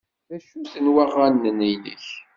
D acu-ten waɣanen-nnek?